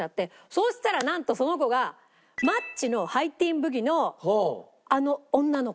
そしたらなんとその子がマッチの『ハイティーン・ブギ』のあの女の子よ。